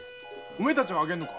お前たちが上げるのか？